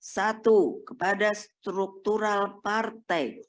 satu kepada struktural partai